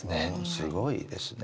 すごいですね。